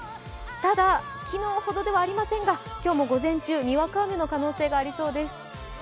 ただ、昨日ほどではありませんが今日も午前中、にわか雨の可能性がありそうです。